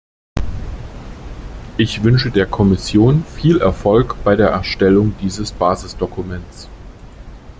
Ich wünsche der Kommission viel Erfolg bei der Erstellung dieses Basisdokuments.